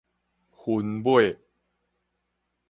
薰尾